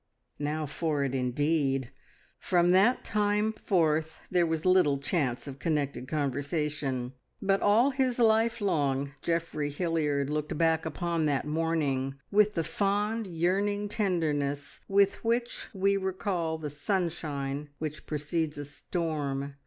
Now for it indeed! From that time forth there was little chance of connected conversation, but all his life long Geoffrey Hilliard looked back upon that morning with the fond, yearning tenderness with which we recall the sunshine which precedes a storm.